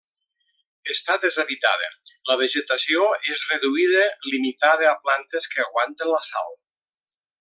Està deshabitada; la vegetació és reduïda limitada a plantes que aguanten la sal.